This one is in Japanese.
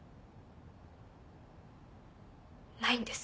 ないんです。